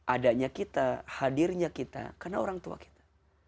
adanya kita hadirnya kita karena orang tua kita